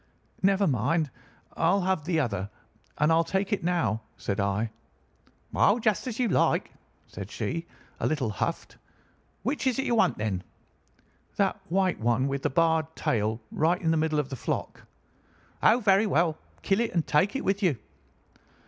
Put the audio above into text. "'Never mind. I'll have the other, and I'll take it now,' said I. "'Oh, just as you like,' said she, a little huffed. 'Which is it you want, then?' "'That white one with the barred tail, right in the middle of the flock.' "'Oh, very well. Kill it and take it with you.